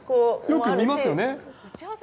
よく見ますよね。